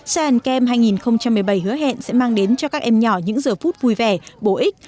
cent hai nghìn một mươi bảy hứa hẹn sẽ mang đến cho các em nhỏ những giờ phút vui vẻ bổ ích